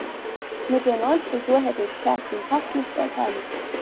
Mit der neuen Frisur hätte ich Kerstin fast nicht erkannt.